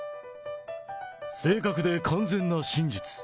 正確で完全な真実。